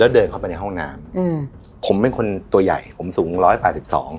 เดินเข้าไปในห้องน้ำอืมผมเป็นคนตัวใหญ่ผมสูงร้อยแปดสิบสอง